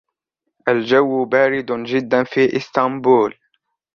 الجو بارد جدا فى استانبول.